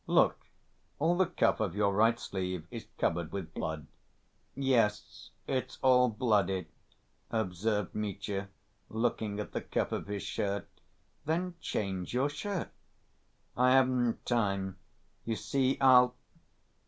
Look, all the cuff of your right sleeve is covered with blood." "Yes, it's all bloody," observed Mitya, looking at the cuff of his shirt. "Then change your shirt." "I haven't time. You see I'll